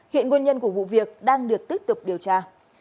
hiện nguyên nhân của vụ việc đang được tiếp tục điều tra